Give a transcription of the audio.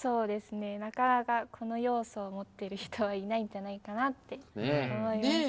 なかなかこの要素を持ってる人はいないんじゃないかなって思います。